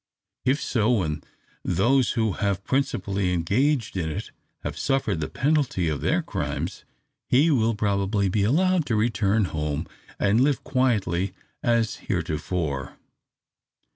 If so, when those who have principally engaged in it have suffered the penalty of their crimes, he will probably be allowed to return home, and live quietly as heretofore.